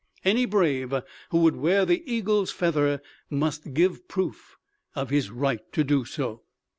Any brave who would wear the eagle's feather must give proof of his right to do so.